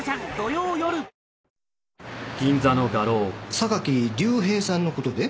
榊隆平さんのことで？